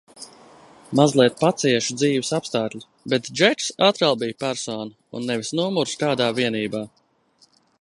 Mazliet pacieši dzīves apstākļi, bet Džeks atkal bija persona un nevis numurs kādā vienībā.